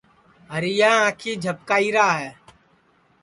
ہریا آنکھی جھپکائیرا ہے